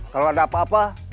kalau ada apa apa